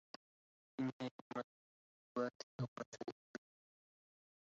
إن يوم الهباة أورثني الذل